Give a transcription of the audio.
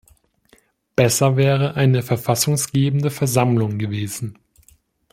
Besser wäre eine verfassungsgebende Versammlung gewesen.